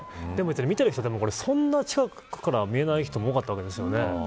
見てる人、そんな近くからは見えない人も多かったわけですよね。